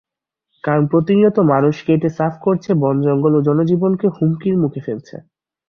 কারণ প্রতিনিয়ত মানুষ কেটে সাফ করছে বনজঙ্গল ও জনজীবনকে হুমকির মুখে ফেলছে।